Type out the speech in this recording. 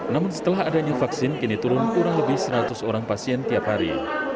namun setelah adanya vaksin kini turun kurang lebih seratus orang pasien tiap hari